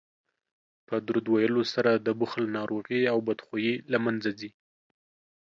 په درود ویلو سره د بخل ناروغي او بدخويي له منځه ځي